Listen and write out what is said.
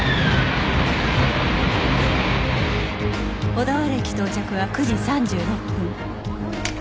小田原駅到着は９時３６分